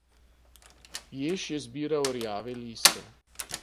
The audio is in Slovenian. Jež je zbiral rjave liste.